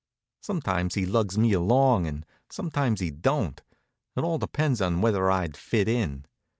Sometimes he lugs me along and sometimes he don't. It all depends on whether I'd fit in.